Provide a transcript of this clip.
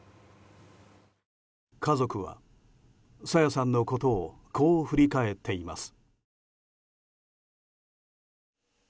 家族は朝芽さんのことをこう振り返っています。